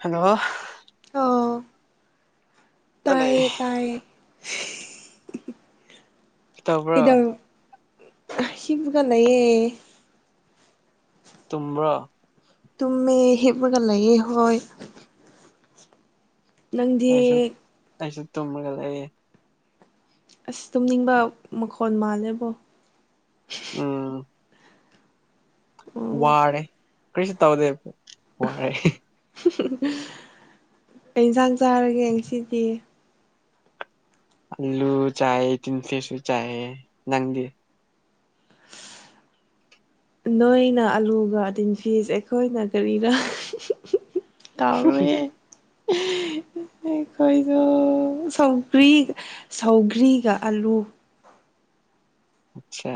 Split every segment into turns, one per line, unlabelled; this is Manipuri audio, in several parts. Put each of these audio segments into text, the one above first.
ꯍꯂꯣ
ꯇꯌꯦ ꯇꯌꯦ ꯍ ꯍ ꯍ ꯏ
ꯇ ꯄ꯭ꯔꯥ
ꯍꯤꯞꯄꯒ ꯂꯩꯌꯦ
ꯇꯨꯝꯕ꯭ꯔꯥ
ꯇꯝꯃꯦ ꯍꯤꯞꯂꯒ ꯂꯩꯌꯦ ꯍꯣꯏ ꯅꯪꯗꯤ
ꯇꯨꯝꯃꯒ ꯂꯩꯌꯦ
ꯑꯁ ꯇꯨꯝꯅꯤꯡꯕ ꯃꯈꯣ ꯈꯣꯟ ꯃꯥꯜꯂꯦꯕꯣ
ꯎꯝ
ꯑꯣ
ꯋꯥꯔꯦ ꯀꯔꯤꯁꯨ ꯇꯧꯗꯦ ꯋꯥꯔꯦ
ꯀꯩ ꯏꯟꯁꯥꯡ ꯆꯥꯔꯒꯦ ꯉꯁꯤꯗꯤ
ꯑꯂꯨ ꯆꯌꯦ ꯇꯤꯟ ꯐꯤꯁꯁꯨ ꯆꯌꯦ ꯅꯪꯗꯤ
ꯅꯣꯏꯅ ꯑꯂꯨꯒ ꯇꯤꯟꯐꯤꯁ ꯑꯩꯈꯣꯏꯅ ꯀꯔꯤꯔꯥ ꯇꯥꯎꯔꯣꯢꯌꯦ ꯑꯩꯈꯣꯏꯗꯣ ꯁꯧꯒ꯭ꯔꯤ ꯁꯧꯒ꯭ꯔꯤꯒ ꯑꯂꯨ
ꯑꯁꯥ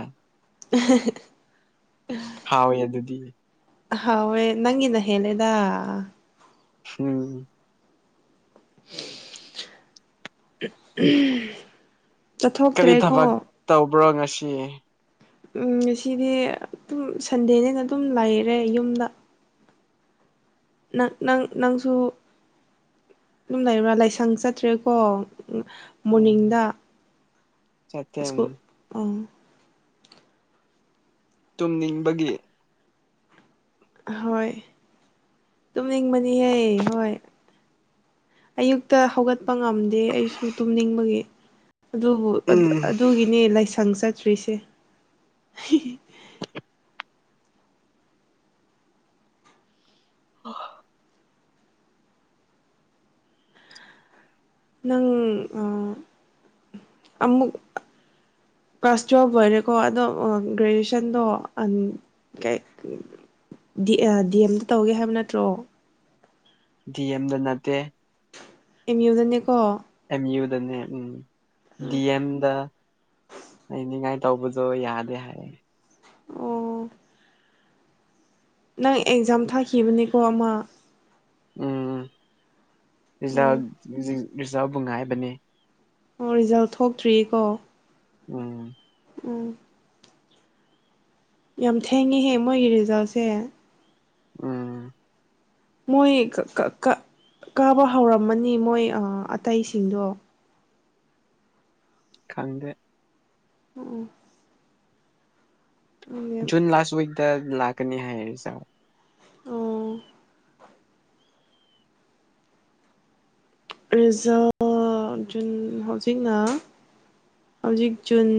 ꯑꯍ ꯍ
ꯍꯥꯎꯋꯦ ꯑꯗꯨꯗꯤ
ꯍꯥꯎꯋꯦ ꯅꯪꯒꯤꯅ ꯍꯦꯜꯂꯦꯗ
ꯍꯝ
[inaudible] ꯑꯍ ꯎꯝ ꯆꯠꯊꯣꯛꯇ꯭ꯔꯦꯀꯣ
ꯕ꯭ꯔꯣ ꯉꯁꯤ
ꯎꯝ ꯉꯁꯤꯗꯤ ꯗꯨꯝ ꯁꯟꯗꯦꯅꯦꯅ ꯑꯗꯨꯝ ꯂꯩꯔꯦ ꯌꯨꯝꯗ ꯅꯪ ꯅꯪ ꯅꯪꯁꯨ ꯑꯗꯨꯝ ꯂꯩꯔꯕ꯭ꯔꯥ ꯂꯥꯏꯁꯪ ꯆꯠꯇ꯭ꯔꯦꯀꯣ
ꯎꯝ
ꯃꯣꯔꯅꯤꯡꯗ
ꯆꯠꯇꯦ ꯎꯝ
ꯁ꯭ꯀꯨꯜ
ꯇꯨꯝꯅꯤꯡꯕꯒꯤ
ꯍꯣꯏ ꯇꯨꯝꯅꯤꯡꯕꯅꯤꯍꯦ ꯍꯣꯏ ꯑꯌꯨꯛꯇ ꯍꯧꯒꯠ ꯄ ꯉꯝꯗꯦ ꯑꯩꯁꯨ ꯇꯨꯝꯅꯤꯡꯕꯒꯤ ꯑꯗꯨꯕꯨ
ꯎꯝ
ꯑꯗꯨꯒꯤꯅꯦ ꯂꯥꯏꯁꯪ ꯆꯠ ꯁ꯭ꯔꯤꯁꯦ
ꯍꯑ
ꯅꯪ ꯑ ꯑꯃꯨꯛ ꯀ꯭ꯂꯥꯁ ꯇꯨꯌꯦꯜꯐ ꯂꯣꯏꯔꯦꯀꯣ ꯑꯗꯣ ꯒ꯭ꯔꯦꯖ꯭ꯨꯋꯦꯁꯟꯗꯣ ꯗꯤ ꯑꯦꯝꯗ ꯇꯧꯒꯦ ꯍꯥꯏꯕ ꯅꯠꯇ꯭ꯔꯣ
ꯗꯤ ꯑꯦꯝꯗ ꯅꯠꯇꯦ
ꯑꯦꯝ ꯎ ꯗꯅꯦ ꯀꯣ
ꯑꯦꯝ ꯌꯨ ꯗꯅꯦ ꯎꯝ ꯗꯤ ꯑꯦꯝꯗ ꯂꯩꯅꯤꯡꯉꯥꯏ ꯇꯧꯕꯗꯣ ꯌꯥꯗꯦ ꯍꯥꯏꯌꯦ
ꯑꯣ ꯅꯪ ꯑꯦꯛꯖꯥꯝ ꯊꯥꯈꯤꯕꯅꯤꯀꯣ ꯑꯃ
ꯎꯝ
ꯎꯝ
ꯔꯤꯖꯜꯗꯤ ꯔꯤꯖꯜꯕꯨ ꯉꯥꯏꯕꯅꯤ
ꯑꯣ ꯔꯤꯖꯜ ꯊꯣꯛꯇ꯭ꯔꯤꯀꯣ
ꯎꯝ
ꯎꯝ ꯌꯥꯝ ꯊꯦꯡꯉꯤꯍꯦ ꯃꯣꯏꯒꯤ ꯔꯤꯖꯜꯁꯦ
ꯎꯝ
ꯃꯣꯏ ꯀ ꯀ ꯀ ꯀꯥꯕ ꯍꯧꯔꯝꯃꯅꯤ ꯃꯣꯏ ꯛ ꯑꯇꯩꯁꯤꯡꯗꯣ
ꯈꯪꯗꯦ
ꯎꯝ
ꯖꯨꯟ ꯂꯥꯁ ꯋꯤꯛ ꯇ ꯂꯥꯛꯀꯅꯤ ꯍꯥꯏꯌꯦ ꯑꯦꯖꯥꯝ
ꯑꯣ ꯔꯤꯖꯜ ꯖꯨꯟ ꯍꯧꯖꯤꯛꯅ ꯍꯧꯖꯤꯛ ꯖꯨꯟ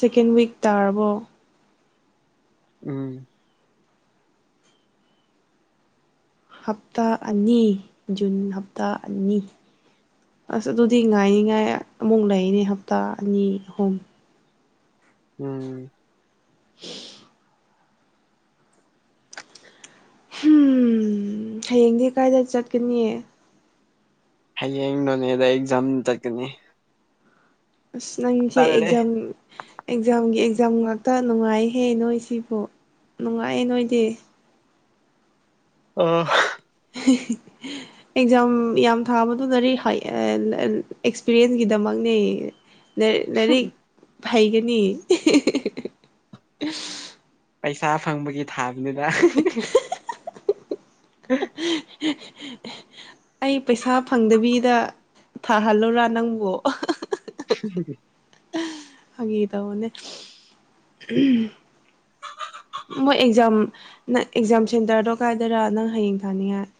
ꯁꯦꯀꯦꯟ ꯋꯤꯛ ꯇꯥꯔꯕꯣ
ꯎꯝ
ꯍꯞꯇꯥ ꯑꯅꯤ ꯖꯨꯟ ꯍꯞꯇꯥ ꯑꯅꯤ ꯑꯁ ꯑꯗꯨꯗꯤ ꯉꯥꯏꯅꯤꯉꯥꯏ ꯑꯃꯨꯛ ꯂꯩꯅꯤ ꯍꯞꯇꯥ ꯑꯅꯤ ꯑꯍꯨꯝ
ꯎꯝ
[inaudible] ꯍꯨꯝ ꯍꯌꯦꯡꯗꯤ ꯀꯥꯏꯗ ꯆꯠꯀꯅꯤ
ꯍꯌꯦꯡ ꯅꯣꯅꯦꯗ ꯑꯦꯛꯖꯥꯝ ꯆꯠꯀꯅꯤ
ꯑꯁ ꯅꯪꯁꯦ
ꯇꯜꯂꯦ
ꯑꯦꯛꯖꯥꯝ ꯑꯦꯛꯖꯥꯝꯒꯤ ꯑꯦ ꯖꯥꯝ ꯉꯥꯛꯇ ꯅꯨꯡꯉꯥꯏꯍꯦ ꯅꯣꯏ ꯁꯤꯕꯣ ꯅꯨꯡꯉꯥꯏꯌꯦ ꯅꯣꯏꯗꯤ
ꯑꯣ
ꯍꯤ ꯍꯤ ꯑꯦꯛꯖꯥꯝ ꯌꯥꯝ ꯊꯥꯕꯗꯨꯔꯗꯤ ꯍꯩ ꯑ ꯑꯦꯛꯁꯄꯤꯔꯤꯌꯦꯟꯁꯀꯤꯗꯃꯛꯅꯦ ꯂ ꯂꯩꯔꯤꯛ ꯍꯩꯒꯅꯤ
ꯄꯩꯁꯥ ꯐꯪꯕꯒꯤ ꯊꯥꯕꯅꯤꯗꯥ
ꯑꯩ ꯄꯩꯁꯥ ꯐꯪꯗꯕꯤꯗ ꯊꯥꯍꯜꯂꯨꯔꯥ ꯅꯪꯕꯨ ꯑ ꯍꯥ ꯑ ꯍꯥ ꯑꯍ
ꯍꯤ ꯍꯤꯍꯤ
ꯐꯒꯤ ꯇꯧꯕꯅꯦ ꯃꯣꯏ ꯑꯦꯛꯖꯥꯝ ꯅ ꯑꯦꯛꯖꯥꯝ ꯁꯦꯟꯇꯔꯗꯣ ꯀꯥꯏꯗꯔꯥ ꯅꯪ ꯍꯌꯦꯡ ꯊꯥꯅꯤꯡꯉꯥꯏ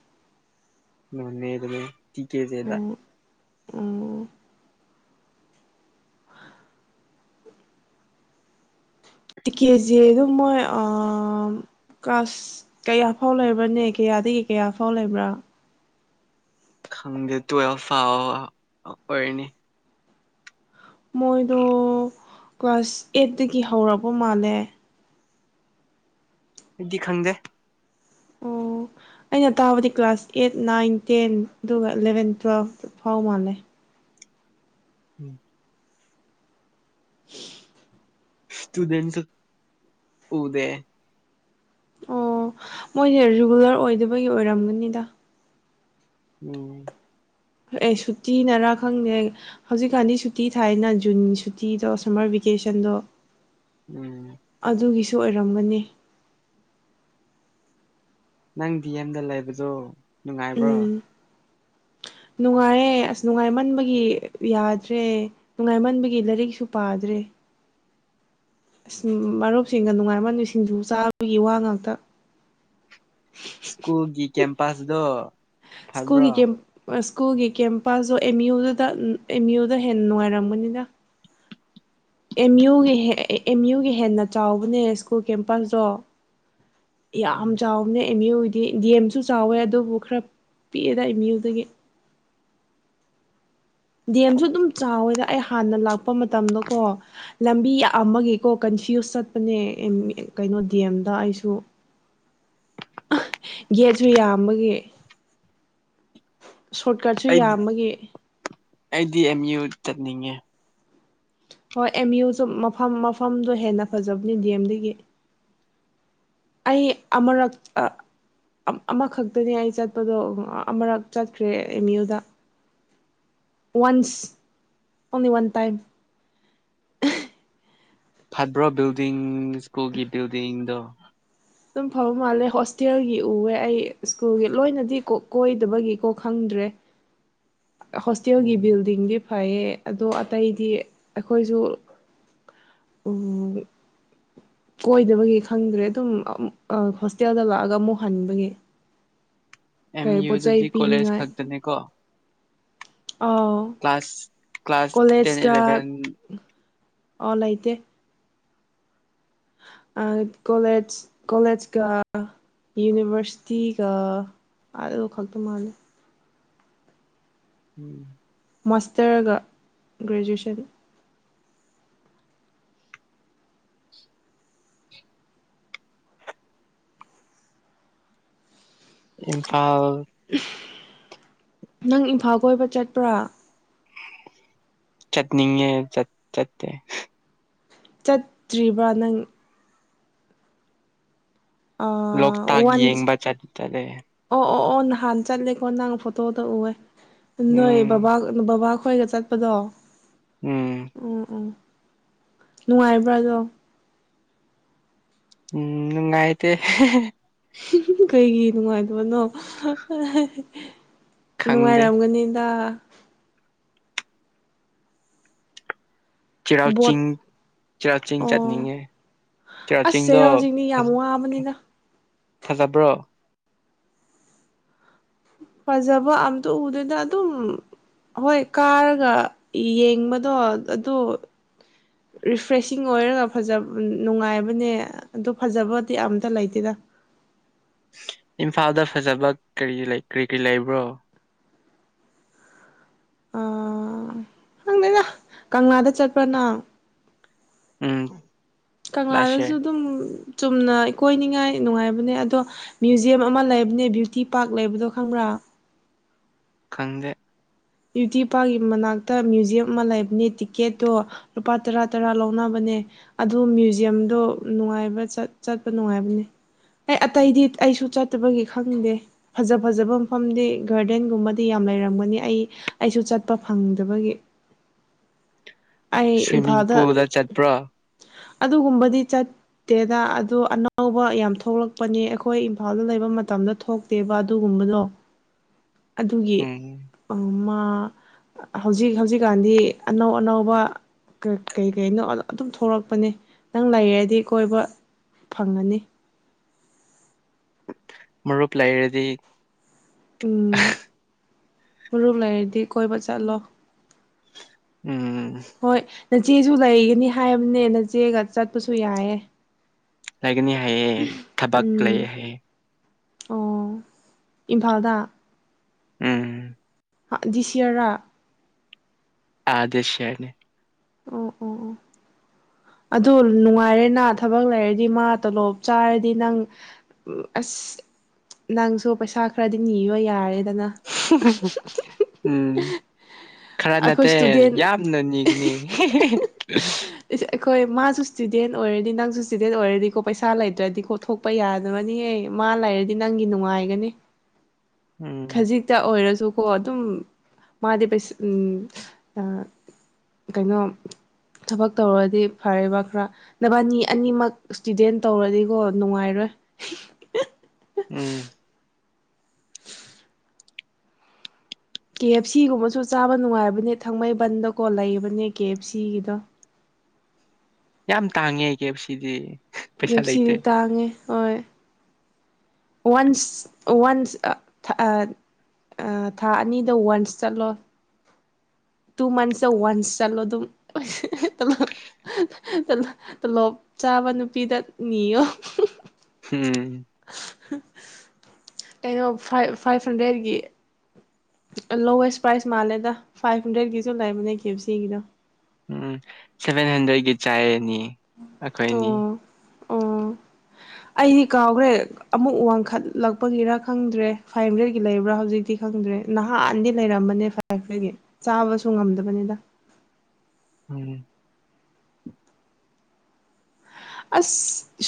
ꯅꯣꯅꯦ ꯗꯅꯦ ꯇꯤ ꯀꯦꯖꯦꯗ [unintelligible]
ꯑꯣ ꯇꯤꯛꯀꯦꯖꯦꯗꯣ ꯗꯨꯝ ꯃꯣꯏ ꯑ ꯀ꯭ꯂꯁ ꯀꯌꯥ ꯐꯥꯎ ꯂꯩꯕ꯭ꯔꯅꯦ ꯀꯌꯥꯗꯒꯤ ꯀꯌꯥ ꯐꯥꯎ ꯂꯩꯕ꯭ꯔꯥ
ꯈꯪꯗꯦ ꯇꯨꯋꯦꯜꯐ ꯐꯥꯎ ꯑꯣꯏꯔꯅꯤ
ꯃꯣꯏꯗꯣ ꯀ꯭ꯂꯥꯁ ꯑꯦꯠꯇꯒꯤ ꯍꯧꯔꯛꯄ ꯃꯥꯜꯂꯦ
ꯗꯤ ꯈꯪꯗꯦ
ꯑꯣ ꯑꯩꯅ ꯇꯥꯕꯗꯤ ꯀ꯭ꯂꯥꯁ ꯑꯦꯠ ꯅꯥꯏꯟ ꯇꯦꯟ ꯑꯗꯨꯒ ꯂꯦꯚꯦꯟ ꯇꯨꯋꯦꯜꯐ ꯐꯥꯎ ꯃꯥꯜꯂꯦ
[inaudible]
[inaudible]
ꯁꯇꯨꯗꯦꯟꯒ ꯎꯗꯦ
ꯑꯣ ꯃꯣꯏꯁꯦ ꯔꯤꯒꯨꯂꯔ ꯑꯣꯏꯗꯕꯒꯤ ꯑꯣꯏꯔꯝꯒꯅꯤꯗ
ꯎꯝ
ꯑꯦ ꯁꯨꯇꯤꯅꯔꯥ ꯈꯪꯗꯦ ꯍꯧꯖꯤꯛꯀꯥꯟꯗꯤ ꯁꯨꯇꯤ ꯊꯥꯏꯅ ꯖꯨꯟꯒꯤ ꯁꯨꯇꯤꯗꯣ ꯁꯝꯃꯔ ꯚꯦꯀꯦꯁꯟꯗꯣ
ꯎꯝ
ꯁꯨ ꯑꯣꯏꯔꯝꯕꯅꯤ
ꯅꯪ ꯗꯤ ꯗꯦꯝꯗ ꯂꯩꯕꯗꯣ ꯅꯨꯡꯉꯥꯏꯕ꯭ꯔꯣ
ꯎꯝ ꯅꯨꯡꯉꯥꯏꯌꯦ ꯑꯁ ꯅꯨꯡꯉꯥꯏꯃꯟꯕꯒꯤ ꯌꯥꯗ꯭ꯔꯦ ꯅꯨꯡꯉꯥꯏꯃꯟꯕꯒꯤ ꯂꯥꯏꯔꯤꯛꯁꯨ ꯄꯥꯗ꯭ꯔꯦ ꯑꯁ ꯃꯔꯨꯞꯁꯤꯡꯒ ꯅꯨꯡꯉꯥꯏꯃꯟꯕꯩ ꯁꯤꯡꯖꯨ ꯆꯥꯕꯒꯤ ꯋꯥ ꯉꯥꯛꯇ
ꯁ꯭ꯀꯨꯜꯒꯤ ꯀꯦꯝꯄꯁꯗꯣ
ꯁ꯭ꯀꯨꯜ ꯒꯤ
ꯐꯕ꯭ꯔꯣ
ꯀꯦꯝ ꯁ꯭ꯀꯨꯜꯒꯤ ꯀꯦꯝꯄꯥꯁꯇꯣ ꯑꯦꯝ ꯏꯌꯨꯗ ꯑꯦꯝ ꯏꯨꯗ ꯍꯦꯟꯅ ꯅꯨꯡꯉꯥꯏꯔꯝꯕꯅꯤꯅ ꯑꯦꯝ ꯌꯨꯒꯤ ꯑꯦꯝꯌꯨꯒꯤ ꯍꯦꯟꯅ ꯆꯥꯎꯕꯅꯦ ꯁ꯭ꯀꯨꯜ ꯀꯦꯝꯄꯁꯇꯣ ꯌꯝ
ꯎꯝ
ꯆꯥꯎꯕꯅꯦ ꯑꯦꯝꯌꯨꯗꯤ ꯗꯤ ꯗꯦꯝꯁꯨ ꯆꯥꯎꯋꯦ ꯑꯗꯨꯕꯨ ꯈꯔ ꯄꯤꯛꯑꯦꯗ ꯑꯦꯝ ꯌꯨꯗꯒꯤ ꯗꯦꯝꯁꯨ ꯑꯗꯨꯝ ꯆꯥꯎꯋꯦꯗ ꯑꯩ ꯍꯥꯟꯅ ꯂꯥꯛꯄ ꯃꯇꯝꯗꯀꯣ ꯂꯝꯕꯤ ꯌꯥꯝꯕꯒꯤꯀꯣ ꯀꯟꯐ꯭ꯌꯨꯁ ꯆꯠꯄꯅꯦ ꯀꯩꯅꯣ ꯗꯦꯝꯗ ꯑꯩꯁꯨ ꯒꯦꯠꯁꯨ ꯌꯥꯝꯕꯒꯤ ꯁꯣꯔꯠꯀꯠꯁꯨ
ꯑꯩꯗꯤ
ꯌꯥꯝꯕꯒꯤ
ꯑꯩꯗꯤ ꯑꯦꯝꯌꯨ ꯆꯠꯅꯤꯡꯉꯦ
ꯍꯣꯏ ꯑꯦꯝ ꯌꯨꯁꯨ ꯃꯐꯝ ꯃꯐꯝꯗꯣ ꯍꯦꯟꯅ ꯐꯖꯕꯅꯤ ꯗꯦꯝꯗꯒꯤ ꯑꯩ ꯑꯃꯔꯛ ꯑꯃꯈꯛꯇꯅꯤ ꯑꯩ ꯆꯠꯄꯗꯣ ꯑꯃꯨꯔꯛ ꯆꯠꯈ꯭ꯔꯦ ꯑꯦꯝ ꯌꯨꯗ once only one time
[unintelligible] building ꯁ꯭ꯀꯨꯜꯒꯤ ꯕꯤꯜꯗꯤꯡꯗꯣ
ꯑꯗꯨꯝ ꯐꯕ ꯃꯥꯜꯂꯦ ꯍꯣꯁꯇꯦꯜꯒꯤ ꯎꯋꯦ ꯑꯩ ꯁ꯭ꯀꯨꯜꯒꯤ ꯂꯣꯏꯅꯗꯤ ꯀꯣꯏꯗꯕꯒꯤꯀꯣ ꯈꯪꯗ꯭ꯔꯦ ꯍꯣꯁꯇꯦꯜꯒꯤ
ꯎꯝ
ꯕꯤꯜꯗꯤꯡꯒꯤ ꯐꯩꯌꯦ ꯑꯗꯣ ꯑꯇꯩꯗꯤ ꯑꯩꯈꯣꯏꯁꯨ [unintelligible] ꯀꯣꯏꯗꯕꯒꯤ ꯈꯪꯗ꯭ꯔꯦ ꯑꯗꯨꯝ ꯍꯣꯁꯇꯦꯜꯗ ꯂꯥꯛꯑꯒ ꯑꯃꯨꯛ ꯍꯟꯕꯒꯤ
ꯑꯦꯝ
ꯀꯔꯤ ꯄꯣꯠ ꯆꯩ
ꯌꯨꯗꯗꯤ ꯀꯣꯂꯦꯖ
ꯄꯤꯅꯤꯡꯉꯥꯏ
ꯈꯛꯇꯅꯤ ꯀꯣ
ꯑꯥꯎ
ꯀ꯭ꯂꯥꯁ ꯀ꯭ꯂꯥꯁ ꯇꯦꯟ ꯏꯂꯦꯚꯦꯟ
ꯑꯣ ꯂꯩꯇꯦ ꯀꯣꯂꯦꯖ ꯀꯣꯂꯦꯖꯀ ꯌꯨꯅꯤꯚꯔꯁꯤꯇꯤꯒ ꯑꯗꯨ ꯈꯛꯇ ꯃꯥꯥꯟꯂꯦ
ꯎꯝ
ꯃꯥꯁꯇꯔꯒ ꯒ꯭ꯔꯦꯖꯨꯌꯦꯠꯁꯟ
ꯏꯝꯐꯥꯜ
[inaudible] ꯅꯪ ꯏꯝꯐꯥꯜ ꯀꯣꯏꯕ ꯆꯠꯄ꯭ꯔꯥ
ꯆꯠꯅꯤꯡꯉꯦ ꯆꯠ ꯆꯠꯇꯦ
ꯆꯠꯇ꯭ꯔꯤꯕ ꯅꯪ
ꯂꯣꯛꯇꯥꯛ
ꯋꯥꯟꯁ
ꯌꯦꯡꯕ ꯆꯠꯇ꯭ꯔꯦ
ꯑꯣ ꯑꯣ ꯑꯣ ꯅꯍꯥꯟ ꯆꯠꯂꯦꯀꯣ ꯅꯪ ꯐꯣꯇꯣꯗ ꯎꯑꯦ ꯅꯣꯏ
ꯎꯝ
ꯕꯥ ꯕꯥ ꯑꯩꯈꯣꯏꯒ ꯆꯠꯄꯗꯣ
ꯎꯝ
ꯎꯝ ꯎꯝ ꯅꯨꯡꯉꯥꯏꯕ꯭ꯔꯥꯗꯣ
ꯎꯝ ꯅꯨꯉꯥꯏꯇꯦ
ꯀꯩꯒꯤ ꯅꯨꯡꯉꯥꯏ ꯕꯅꯣ ꯍꯥ ꯍꯥ
ꯈꯪꯗꯦ
ꯅꯨꯡꯉꯥꯏꯔꯝꯒꯅꯤꯗ ꯕꯣꯠ
ꯆꯤꯔꯆꯤꯡ ꯆꯤꯔꯆꯤꯡ
ꯑꯣ
ꯆꯠꯅꯤꯡꯉꯦ
ꯑꯁ
ꯆꯤꯔꯥꯆꯤꯡꯗꯣ
ꯆꯩꯔꯥꯎ ꯆꯤꯡꯗꯤ ꯌꯥꯝ ꯋꯥꯕꯅꯤꯅ
ꯐꯖꯕ꯭ꯔꯣ
ꯐꯖꯕ ꯑꯝꯇ ꯎꯗꯦꯗ ꯑꯗꯨꯝ ꯍꯣꯏ ꯀꯥꯔꯒ ꯌꯦꯡꯕꯗꯣ ꯑꯗꯨ ꯔꯤꯐ꯭ꯔꯦꯁꯤꯡ ꯑꯣꯏꯔꯒ ꯐꯖ ꯕ ꯅꯨꯡꯉꯥꯏꯕꯅꯦ ꯑꯗꯨ ꯐꯖꯕꯗꯤ ꯑꯝꯇ ꯂꯩꯇꯦꯗ
ꯏꯝꯐꯥꯜꯗ ꯐꯖꯕ ꯀꯔꯤ ꯂꯩ ꯀꯔꯤ ꯀꯔꯤ ꯂꯩꯕ꯭ꯔꯣ
ꯑꯥ ꯗꯪꯗꯦꯗ ꯀꯪꯂꯥꯗ ꯆꯠꯄ꯭ꯔ ꯅꯪ
ꯎꯝ ꯂꯥꯁ
ꯀꯪꯂꯥꯗꯁꯨ
ꯌꯔ
ꯑꯗꯨꯝ ꯆꯨꯝꯅ ꯏꯀꯣꯏꯅꯤꯉꯥꯏ ꯅꯨꯡꯉꯥꯏꯕꯅꯦ ꯑꯗꯣ ꯃ꯭ꯌꯨꯖꯌꯝ ꯑꯃ ꯂꯩꯕꯅꯦ ꯕ꯭ꯌꯨꯇꯤ ꯄꯥꯛ ꯂꯩꯕꯗꯣ ꯈꯪꯕ꯭ꯔꯥ
ꯈꯪꯗꯦ
ꯕ꯭ꯌꯨꯇꯤ ꯄꯥꯔꯀꯤ ꯃꯅꯥꯛꯇ ꯃ꯭ꯌꯨꯖꯤꯌꯝ ꯑꯃ ꯂꯩꯕꯅꯦ ꯇꯤꯀꯦꯠꯇꯣ ꯂꯨꯄꯥ ꯇꯔꯥ ꯇꯔꯥ ꯂꯧꯅꯕꯅꯦ ꯑꯗꯨ ꯃ꯭ꯌꯨꯖꯤꯌꯝꯗꯣ ꯅꯨꯡꯉꯥꯏꯕ ꯆꯠ ꯆꯠꯄ ꯅꯨꯡꯉꯥꯏꯕꯅꯦ ꯑꯩ ꯑꯇꯩꯗꯤ ꯑꯩꯁꯨ ꯆꯠꯇꯕꯒꯤ ꯈꯪꯗꯦ ꯐꯖ ꯐꯖꯕ ꯃꯐꯝꯗꯤ ꯒꯥꯔꯗꯦꯟꯒꯨꯝꯕꯗꯤ ꯌꯥꯝ ꯂꯩꯔꯝꯒꯅꯤ ꯑꯩ ꯑꯩꯁꯨ ꯆꯠꯄ ꯐꯪꯗꯕꯒꯤ ꯑꯩ
ꯁ꯭ꯋꯤꯃꯤꯡ
ꯏꯝꯐꯥꯜꯗ
ꯄꯨꯜꯗ ꯆꯠꯄ꯭ꯔꯥ
ꯑꯗꯨꯒꯨꯝꯕꯗꯤ ꯆꯠꯇꯦꯗ ꯑꯗꯣ ꯑꯅꯧꯕ ꯌꯥꯝ ꯊꯣꯛꯂꯛꯄꯅꯦ ꯑꯩꯈꯣꯏ ꯏꯝꯐꯥꯜꯗ ꯂꯩꯕ ꯃꯇꯝꯗ ꯊꯣꯛꯇꯦꯕ ꯑꯗꯨꯒꯨꯝꯕꯗꯣ ꯑꯗꯨꯒꯤ
ꯎꯝ
ꯑꯝꯃ ꯑ ꯍꯧꯖꯤꯛ ꯍꯧꯖꯤꯛꯀꯥꯟꯗꯤ ꯑꯅꯧ ꯑꯅꯧꯕ ꯀ ꯀꯩ ꯀꯩꯅꯣ ꯑꯗꯨꯝ ꯊꯣꯛꯂꯛꯄꯅꯦ ꯅꯪ ꯂꯩꯔꯗꯤ ꯀꯣꯏꯕ ꯐꯪꯉꯅꯤ
ꯃꯔꯨꯞ ꯂꯩꯔꯗꯤ
ꯎꯝ ꯃꯔꯨꯞ ꯂꯩꯔꯗꯤ ꯀꯣꯏꯕ ꯆꯠꯂꯣ
ꯎꯝ
ꯍꯣꯏ ꯅꯆꯦꯁꯨ ꯂꯩꯒꯅꯤ ꯍꯥꯏꯕꯅꯦ ꯅꯆꯦꯒ ꯆꯠꯄꯁꯨ ꯌꯥꯏꯑꯦ
ꯂꯩꯒꯅꯤ ꯍꯥꯏꯌꯦ ꯊꯕꯛ ꯂꯩꯑꯦ ꯍꯥꯏꯌꯦ
ꯑꯣ ꯏꯝꯐꯥꯜꯗ
ꯎꯝ
ꯑ ꯗ꯭ꯤꯁꯏꯋ꯭ꯔꯔꯥ
ꯑꯥ ꯗ꯭ꯤꯁꯏꯋ꯭ꯔꯅꯦ
ꯑꯣ ꯑꯣ ꯑꯣ ꯑꯗꯣ ꯅꯨꯡꯉꯥꯏꯔꯦꯅꯥ ꯊꯕꯛ ꯂꯩꯔꯗꯤ ꯃꯥ ꯇꯣꯂꯣꯞ ꯆꯥꯔꯗꯤ ꯅꯪ ꯑꯁ ꯅꯪꯁꯨ ꯄꯩꯁꯥ ꯈꯔꯗꯤ ꯅꯤꯕ ꯌꯥꯔꯦ
ꯎꯝ ꯈꯔ
ꯑꯩꯈꯣꯏ
ꯅꯠꯇꯦ
ꯏꯁꯇꯨꯗꯦꯟ
ꯌꯥꯝꯅ ꯅꯤꯒꯅꯤ [unintelligible]
ꯏꯁ ꯑꯩꯈꯣꯏ ꯃꯥꯁꯨ ꯏꯁꯇꯨꯗꯦꯟ ꯑꯣꯏꯔꯗꯤ ꯅꯪꯁꯨ ꯏꯁꯇꯨꯗꯦꯟ ꯑꯣꯏꯔꯗꯤꯀꯣ ꯄꯩꯁꯥ ꯂꯩꯇ꯭ꯔꯗꯤꯀꯣ ꯊꯣꯛꯄ ꯌꯥꯗꯕꯅꯤꯍꯦ ꯃꯥ ꯂꯩꯔꯗꯤ ꯅꯪꯒꯤ ꯅꯨꯡꯉꯥꯏꯒꯅꯤ
ꯎꯝ
ꯈꯖꯤꯛꯇ ꯑꯣꯏꯔꯁꯨ ꯑꯗꯨꯀꯣ ꯑꯗꯨꯝ ꯃꯥꯗꯤ ꯄꯩ ꯎꯝ ꯑ ꯀꯩꯅꯣ ꯊꯕꯛ ꯇꯧꯔꯗꯤ ꯐꯔꯦꯕ ꯈꯔ ꯅꯕꯥꯅꯤ ꯑꯅꯤꯃꯛ ꯏꯁꯇꯨꯗꯦꯟ ꯇꯧꯔꯗꯤꯀꯣ ꯅꯨꯡꯉꯥꯏꯔꯣꯏ
ꯎꯝ
ꯀꯦ ꯑꯦꯐ ꯁꯤꯒꯨꯝꯕꯖꯨ ꯆꯥꯕ ꯅꯨꯡꯉꯥꯏꯕꯅꯦ ꯊꯥꯡꯃꯩꯕꯟꯗꯀꯣ ꯂꯩꯕꯅꯦ ꯀꯦ ꯑꯦꯐ ꯁꯤꯒꯤꯗꯣ
ꯌꯥꯝ ꯇꯥꯡꯉꯦ ꯀꯦ ꯑꯦꯐ ꯁꯤꯗꯤ ꯄꯩꯁꯥ
ꯑꯦꯞ ꯁꯤꯗꯤ
ꯂꯩꯇꯦ
ꯇꯥꯡꯉꯦ ꯍꯣꯏ ꯋꯥꯟꯁ ꯋꯥꯟꯁ ꯑ ꯑ ꯊꯥ ꯑꯅꯤꯗ ꯋꯥꯟꯁ ꯆꯠꯂꯣ ꯇꯨ ꯃꯟꯁꯇ ꯋꯥꯟꯁ ꯆꯠꯂꯣ ꯑꯗꯨꯝ ꯍ ꯍ ꯇꯣꯂꯣꯞ ꯆꯥꯕ ꯅꯨꯄꯤꯗ ꯅꯤꯌꯣ
ꯎꯝ
ꯍꯪ ꯀꯩꯅꯣ ꯐꯥꯏꯚ ꯐꯥꯏꯚ ꯍꯟꯗ꯭ꯔꯦꯠꯀꯤ ꯂꯣꯋꯦꯁ ꯄ꯭ꯔꯥꯏꯖ ꯃꯥꯜꯂꯦꯗ ꯐꯥꯏꯚ ꯍꯟꯗ꯭ꯔꯦꯠꯀꯤꯁꯨ ꯂꯩꯕꯅꯦ ꯀꯦ ꯑꯦꯐ ꯁꯤꯒꯤꯗꯣ
ꯎꯝ ꯁꯦꯚꯦꯟ ꯍꯟꯗ꯭ꯔꯦꯗꯀꯤ ꯆꯥꯏꯔꯅꯤ
ꯑꯣ
ꯑꯩꯈꯣꯏꯅꯤ
ꯑꯣ ꯑꯩꯗꯤ ꯀꯥꯎꯒ꯭ꯔꯦ ꯑꯃꯨꯛ ꯋꯥꯡꯈꯠꯂꯛꯄꯒꯤꯔ ꯈꯪꯗ꯭ꯔꯦ ꯐꯥꯏꯚ ꯍꯟꯗ꯭ꯔꯦꯠꯀꯤ ꯂꯩꯕ꯭ꯔꯥ ꯍꯧꯖꯤꯛꯇꯤ ꯈꯪꯗ꯭ꯔꯦ ꯅꯍꯥꯟꯗꯤ ꯂꯩꯔꯝꯕꯅꯦ ꯐꯥꯏꯚ ꯍꯟꯗ꯭ꯔꯦꯠꯀꯤ ꯆꯥꯕꯁꯨ ꯉꯝꯗꯕꯅꯤꯗ
ꯎꯝ
ꯑꯁ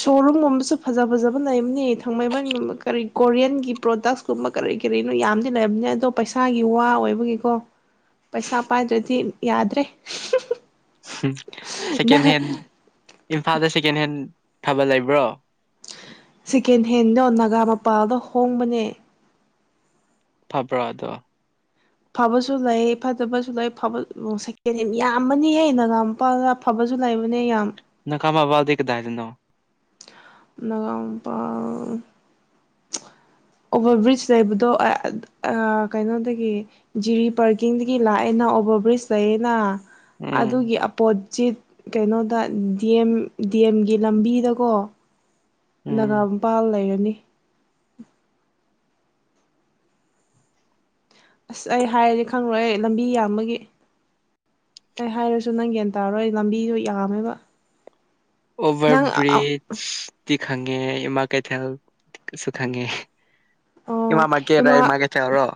ꯁꯣꯔꯨꯝꯒꯨꯝꯕꯖꯨ ꯐꯖ ꯐꯖꯕ ꯂꯩꯕꯅꯤ ꯊꯥꯡꯃꯩꯕꯟꯒꯨꯝꯕ ꯀꯔꯤ ꯀꯣꯔꯤꯌꯟꯒꯤ ꯄ꯭ꯔꯣꯗꯛꯁ ꯀꯨꯝꯕ ꯀꯔꯤ ꯀꯔꯤꯅꯣ ꯌꯥꯝꯗꯤ ꯂꯩꯔꯝꯅꯦ ꯑꯗꯣ ꯄꯩꯁꯥꯒꯤ ꯋꯥ ꯑꯣꯏꯕꯒꯤꯀꯣ ꯄꯩꯁꯥ ꯄꯥꯏꯗ꯭ꯔꯗꯤ ꯌꯥꯗ꯭ꯔꯦ
ꯍꯝ
ꯅꯪ
ꯁꯦꯀꯦꯟ ꯍꯦꯟ ꯏꯝꯐꯥꯜꯗ ꯁꯦ ꯁꯦꯀꯦꯟ ꯍꯦꯟ ꯊꯤꯕꯜ ꯂꯩꯕ꯭ꯔꯣ
ꯁꯦꯀꯦꯟ ꯍꯦꯟꯗꯣ ꯅꯒꯥꯃꯄꯥꯜꯗꯣ ꯍꯣꯡꯕꯅꯦ
ꯐꯕ꯭ꯔꯣ ꯑꯗꯣ
ꯐꯕꯁꯨ ꯂꯩ ꯐꯠꯇꯕꯁꯨ ꯂꯩ ꯂꯣꯏ ꯐ ꯁꯦꯀꯦꯟꯍꯦꯟ ꯌꯥꯝ ꯌꯥꯝꯕꯅꯤꯍꯦ ꯅꯒꯥꯃꯄꯥꯜꯗ ꯐꯕꯁꯨ ꯂꯩꯕꯅꯦ ꯌꯥꯝ
ꯅꯒꯥꯃꯄꯥꯜꯗꯤ ꯀꯗꯥꯏꯗꯅꯣ
ꯅꯒꯥꯃꯄꯥꯜ ꯑꯣꯚꯔ ꯕ꯭ꯔꯤꯖ ꯂꯩꯕꯗꯣ ꯑ ꯀꯩꯅꯣꯗꯒꯤ ꯖꯤꯔꯤ ꯄꯥꯔꯀꯤꯡꯗꯒꯤ ꯂꯥꯛꯑꯦꯅ ꯑꯣꯚꯔ ꯕ꯭ꯔꯤꯖ ꯂꯩꯌꯦꯅ
ꯎꯝ
ꯑꯗꯨꯒꯤ ꯑꯄꯣꯖꯤꯠ ꯀꯩꯅꯣꯗ ꯗꯤ ꯑꯦꯝ ꯗꯤ ꯑꯦꯝꯒꯤ ꯂꯝꯕꯤꯗꯀꯣ ꯅꯒꯥ
ꯎꯝ
ꯃꯄꯥꯜ ꯂꯩꯔꯅꯤ ꯑꯁ ꯑꯩ ꯍꯥꯏꯔꯗꯤ ꯈꯪꯪꯂꯣꯏ ꯑꯩ ꯂꯝꯕꯤ ꯌꯥꯝꯕꯒꯤ ꯑꯩ ꯍꯥꯏꯔꯁꯨ ꯅꯪ ꯒ꯭ꯌꯥꯟ ꯇꯥꯔꯣꯏ ꯑꯩ ꯂꯝꯕꯤꯗꯣ ꯌꯥꯝꯃꯦꯕ
ꯑꯣꯚꯔ
ꯅꯪ
ꯕ꯭ꯔꯤꯖ ꯇꯤꯛ ꯈꯪꯉꯦ ꯏꯃꯥ ꯀꯩꯊꯦꯜ ꯀꯁꯨ ꯈꯪꯉꯦ ꯏꯃꯥ
ꯑꯣ
ꯃꯥꯔꯀꯦꯠ ꯍꯥꯏ
ꯏꯃꯥ
ꯃꯥꯔꯀꯦꯠ ꯇꯔꯣ